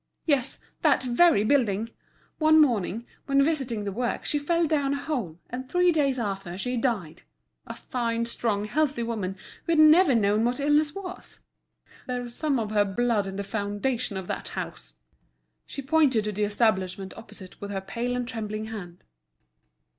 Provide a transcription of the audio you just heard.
Yes, that very building! One morning, when visiting the works she fell down a hole, and three days after she died. A fine, strong, healthy woman, who had never known what illness was! There's some of her blood in the foundation of that house." She pointed to the establishment opposite with her pale and trembling hand.